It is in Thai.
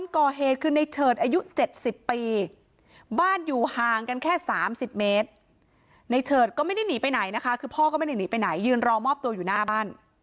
ก็ไม่ได้หนีไปไหนนะคะคือพอก็ไม่ได้หนีไปไหนยืนรอมอบตัวอยู่หน้าบ้าน